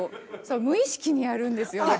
無意識にやるんですよだから。